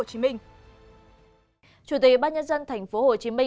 chủ tịch ủy ban nhân dân tp hcm phan văn mã